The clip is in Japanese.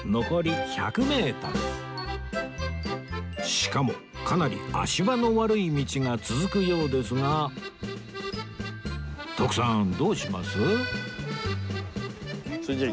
しかもかなり足場の悪い道が続くようですが徳さんどうします？